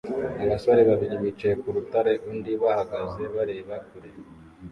Abasore babiri bicaye ku rutare undi bahagaze bareba kure